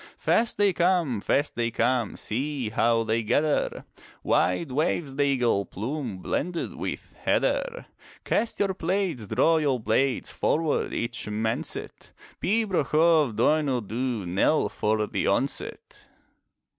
Fast they come, fast they come; See how they gather! Wide waves the eagle plume. Blended with heather. Cast your plaids, draw your blades, Forward each man set! Pibroch of Donuil Dhu, Knell for the onset!